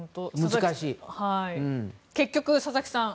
結局、佐々木さん